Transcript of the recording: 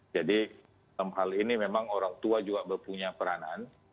jadi dalam hal ini memang orang tua juga berpunya peranan